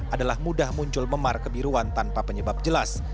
adalah mudah muncul memar kebiruan tanpa penyebab jelas